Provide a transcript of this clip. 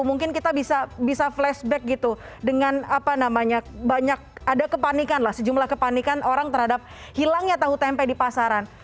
mungkin kita bisa flashback gitu dengan apa namanya banyak ada kepanikan lah sejumlah kepanikan orang terhadap hilangnya tahu tempe di pasaran